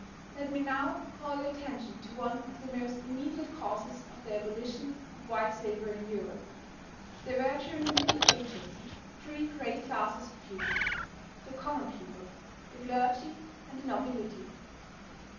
Let me now call your attention to one of the most immediate causes of the abolition of white slavery in Europe. There were during the Middle Ages three great classes of people: the common people, the clergy and the nobility.